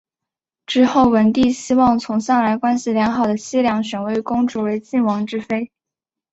之后文帝希望从向来关系良好的西梁选位公主为晋王之妃。